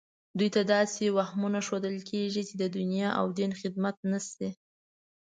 دوی ته داسې وهمونه ښودل کېږي چې د دنیا او دین خدمت نه شي